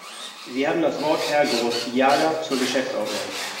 Sie haben das Wort, Herr Gorostiaga, zur Geschäftsordnung.